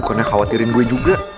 bukannya khawatirin gue juga